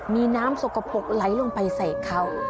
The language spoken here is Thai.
มีน้ำสกปรกไหลลงไปใส่เขา